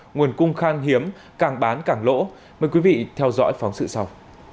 nguồn cung khan hiếm càng bán càng lỗ mời quý vị theo dõi phóng sự sau